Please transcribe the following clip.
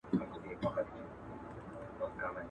په لوی لاس به دروازه د رزق تړمه ..